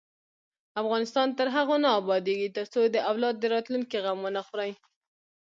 افغانستان تر هغو نه ابادیږي، ترڅو د اولاد د راتلونکي غم ونه خورئ.